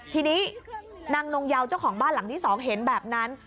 ทีนี้นางนงเยาเจ้าของบ้านหลังที่๒เห็นแบบนั้น